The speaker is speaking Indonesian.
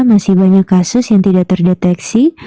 masih banyak kasus yang tidak terdeteksi